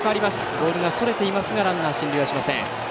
ボールがそれていますがランナー、進塁はしません。